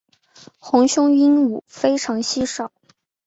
红胸鹦鹉非常稀少。